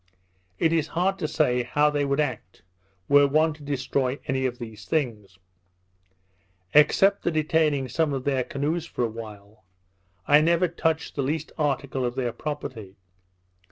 It is hard to say how they would act, were one to destroy any of these things. Except the detaining some of their canoes for a while, I never touched the least article of their property.